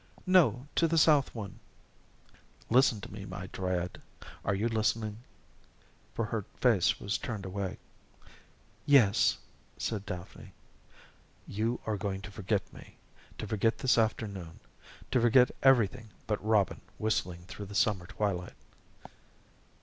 "No, to the south one." "Listen to me, my Dryad are you listening?" For her face was turned away. "Yes," said Daphne. "You are going to forget me to forget this afternoon to forget everything but Robin whistling through the summer twilight."